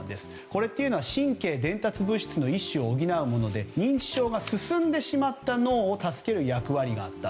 これというのは神経伝達物質の一種を補うもので認知症が進んでしまった脳を助ける役割があった。